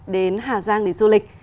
đến hà giang để du lịch